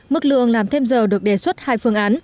mức lương làm thêm giờ được đề xuất hai phương án